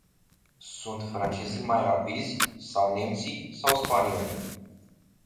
Sunt francezii mai rapizi, sau nemții, sau spaniolii?